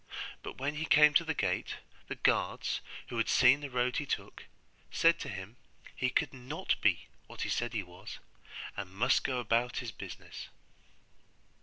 But when he came to the gate, the guards, who had seen the road he took, said to him, he could not be what he said he was, and must go about his business.